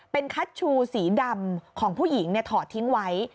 เป็นคัชชูสีดำของผู้หญิงถอดทิ้งไว้